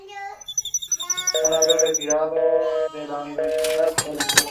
Indonesia mantiene una embajada en Santiago.